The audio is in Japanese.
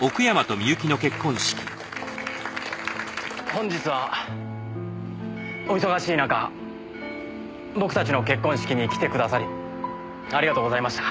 本日はお忙しい中僕たちの結婚式に来てくださりありがとうございました。